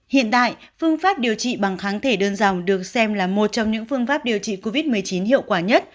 hiện tại phương pháp điều trị bằng kháng thể đơn dòng được xem là một trong những phương pháp điều trị covid một mươi chín hiệu quả nhất